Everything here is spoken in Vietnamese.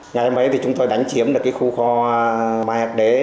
ngày mấy thì chúng tôi đánh chiếm được khu kho mai hạc đế